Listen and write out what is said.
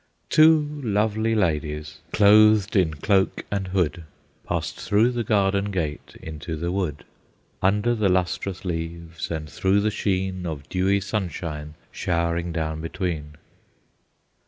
Two lovely ladies, clothed in cloak and hood, Passed through the garden gate into the wood, Under the lustrous leaves, and through the sheen Of dewy sunshine showering down between.